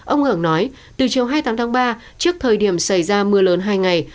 ông ngưỡng nói từ chiều hai tháng ba trước thời điểm xảy ra mưa lớn hai ngày